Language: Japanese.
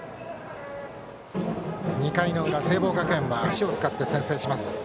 ２回の裏、聖望学園は足を使って先制します。